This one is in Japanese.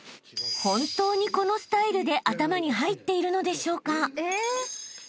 ［本当にこのスタイルで頭に入っているのでしょうか？］